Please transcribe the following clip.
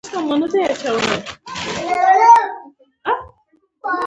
له ګاونډیو هیوادونو ناروغان ورته ځي.